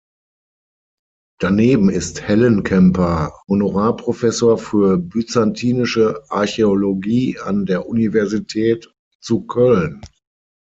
Daneben ist Hellenkemper Honorarprofessor für Byzantinische Archäologie an der Universität zu Köln.